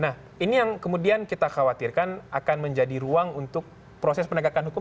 nah ini yang kemudian kita khawatirkan akan menjadi ruang untuk proses penegakan hukum